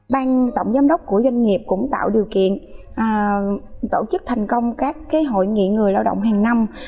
bang tổng giám đốc của doanh nghiệp cũng tạo điều kiện tổ chức thành công các hội nghị người lao động hàng năm